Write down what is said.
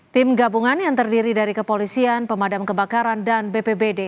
tim gabungan yang terdiri dari kepolisian pemadam kebakaran dan bpbd